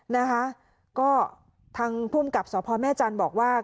นะคะก็ทางภูมิกับสพแม่จันทร์บอกว่า